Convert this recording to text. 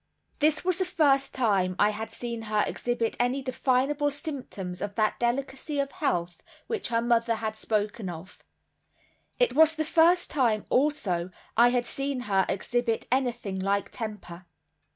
This was the first time I had seen her exhibit any definable symptoms of that delicacy of health which her mother had spoken of. It was the first time, also, I had seen her exhibit anything like temper.